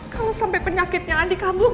kalau sampai penyakitnya andi kamu gimana ris